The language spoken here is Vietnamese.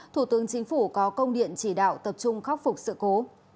thủ tướng chính phủ có công điện chỉ đạo tập trung khắc phục sự cố